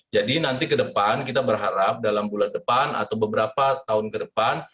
jadi nanti ke depan kita berharap dalam bulan depan atau beberapa tahun ke depan